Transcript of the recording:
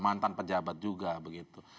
mantan pejabat juga begitu